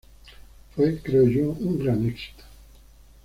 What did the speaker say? Fue, creo yo, un gran éxito.